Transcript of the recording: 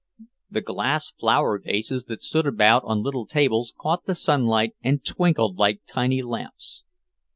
The glass flower vases that stood about on little tables caught the sunlight and twinkled like tiny lamps.